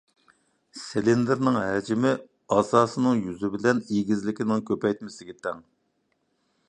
سىلىندىرنىڭ ھەجمى، ئاساسىنىڭ يۈزى بىلەن ئېگىزلىكىنىڭ كۆپەيتمىسىگە تەڭ.